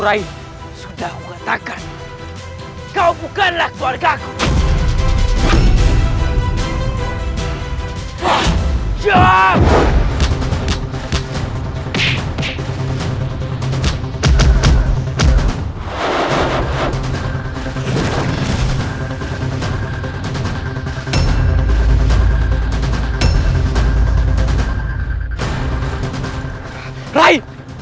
rai maafkan aku telah melukaimu rai